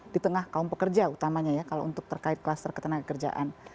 di tengah kaum pekerja utamanya ya kalau untuk terkait kluster ketenagakerjaan